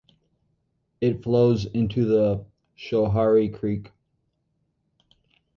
It flows into the Schoharie Creek.